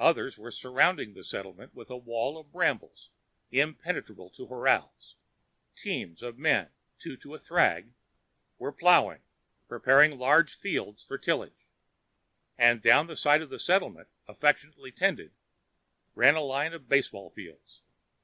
Others were surrounding the settlement with a wall of brambles, impenetrable to horals. Teams of men, two to a thrag, were plowing, preparing large fields for tillage. And down the side of the settlement, affectionately tended, ran a line of baseball fields.